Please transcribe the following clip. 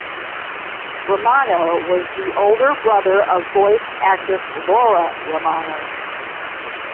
Romano was the older brother of voice actress Laura Romano.